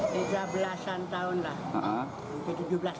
tiga belasan tahun lah